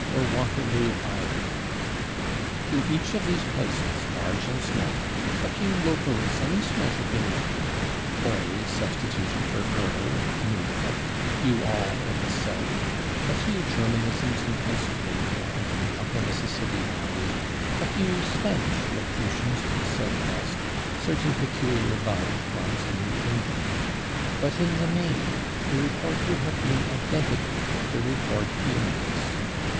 or Waterloo, Iowa. In each of these places, large or small, a few localisms might have been noted /oi/ substituted for ur in New York, /you all/ in the South, a few Germanisms in Pennsylvania and in the upper Mississippi [Pg190] Valley, a few Spanish locutions in the Southwest, certain peculiar vowel forms in New England but in the main the report would have been identical with the report he makes.